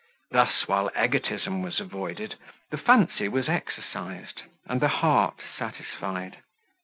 Thus while egotism was avoided, the fancy was exercised, and the heart satisfied.